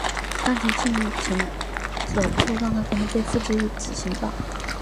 当前进程中的错误状态可能被复制给子进程。